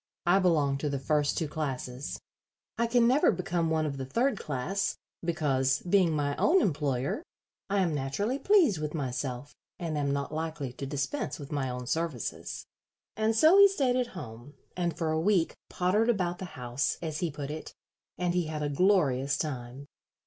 I belong to the first two classes. I can never become one of the third class, because, being my own employer, I am naturally pleased with myself, and am not likely to dispense with my own services." And so he stayed at home, and for a week pottered about the house, as he put it, and he had a glorious time.